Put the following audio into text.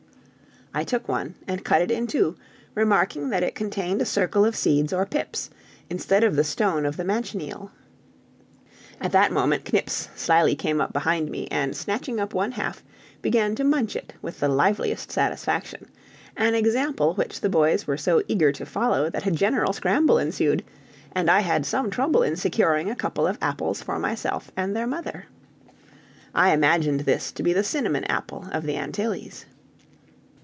I took one and cut it in two, remarking that it contained a circle of seeds or pips, instead of the stone of the manchineel. At that moment Knips slyly came behind me, and snatching up one half, began to munch it with the liveliest satisfaction, an example which the boys were so eager to follow that a general scramble ensued, and I had some trouble in securing a couple of apples for myself and their mother. I imagined this to be the cinnamon apple of the Antilles.